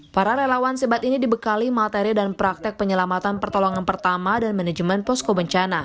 para relawan sebat ini dibekali materi dan praktek penyelamatan pertolongan pertama dan manajemen posko bencana